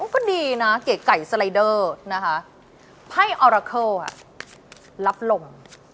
ก็ดีนะเก๋ไก่สไลเดอร์นะคะไพ่อราเคิลรับลม